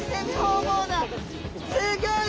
すギョい！